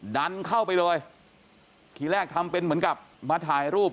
ดันเข้าไปเลยทีแรกทำเป็นเหมือนกับมาถ่ายรูป